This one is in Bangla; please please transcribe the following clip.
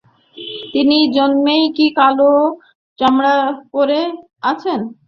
এই জন্যেই কি কালো চশমা পরে আছেন?